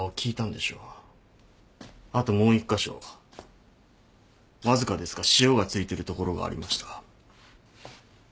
あともう１カ所わずかですが塩が付いてるところがありました。